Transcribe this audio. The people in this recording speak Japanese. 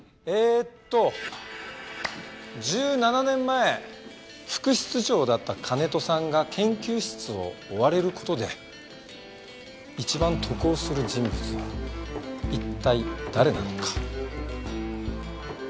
えーっと１７年前副室長だった金戸さんが研究室を追われる事で一番得をする人物は一体誰なのか？